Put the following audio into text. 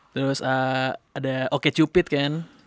terus ada oke cupit kan